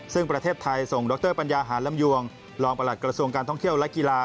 ซึ่งประเทศไทยส่งดรปัญญาหารลำยวงรองประหลัดกระทรวงการท่องเที่ยวและกีฬา